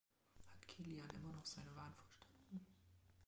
Hat Kilian immer noch seine Wahnvorstellungen?